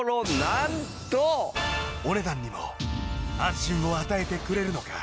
お値段にも安心を与えてくれるのか！？